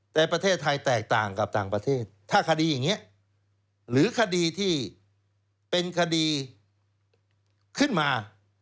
แต่ประเทศไทยแตกต่างกับต่างประเทศถ้าคดีอย่างนี้หรือคดีที่เป็นคดีขึ้นมา